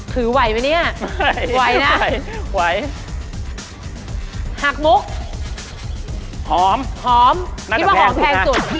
คิดว่าหอมแพงสุด